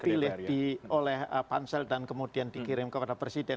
dipilih oleh pansel dan kemudian dikirim kepada presiden